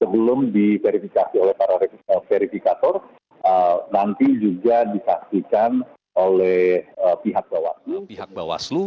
belum diverifikasi oleh para verifikator nanti juga dikasihkan oleh pihak bawaslu